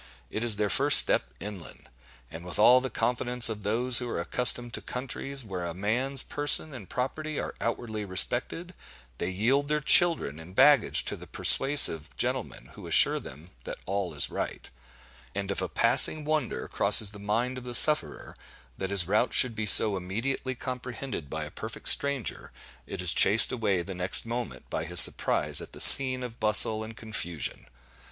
It is their first step inland; and with all the confidence of those who are accustomed to countries where a man's person and property are outwardly respected, they yield their children and baggage to the persuasive gentlemen who assure them that all is right; and if a passing wonder crosses the mind of the sufferer, that his route should be so immediately comprehended by a perfect stranger, it is chased away the next moment by his surprise at the scene of bustle and confusion.